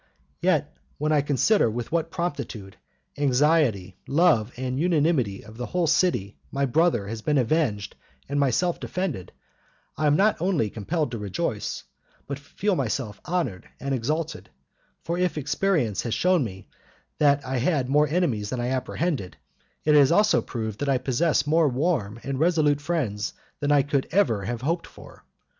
Yet when I consider with what promptitude, anxiety, love, and unanimity of the whole city my brother has been avenged and myself defended, I am not only compelled to rejoice, but feel myself honored and exalted; for if experience has shown me that I had more enemies than I apprehended, it has also proved that I possess more warm and resolute friends than I could ever have hoped for.